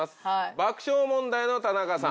爆笑問題の田中さん。